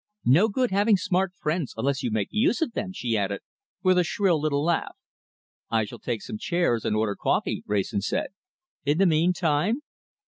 No good having smart friends unless you make use of them," she added, with a shrill little laugh. "I shall take some chairs and order coffee," Wrayson said. "In the meantime